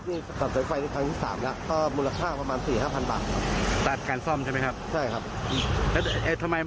มีการเมายาด้วย